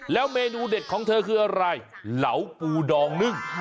เมนูเด็ดของเธอคืออะไรเหลาปูดองนึ่ง